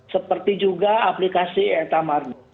seperti juga aplikasi eta marna